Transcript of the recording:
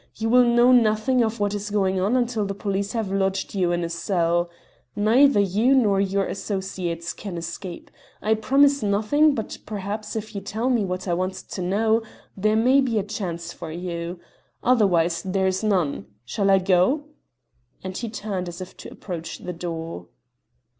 You will know nothing of what is going on until the police have lodged you in a cell. Neither you nor your associates can escape. I promise nothing, but perhaps if you tell me what I want to know there may be a chance for you. Otherwise there is none. Shall I go?" And he turned as if to approach the door.